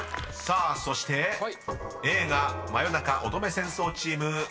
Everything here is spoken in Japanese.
［さあそして映画真夜中乙女戦争チーム］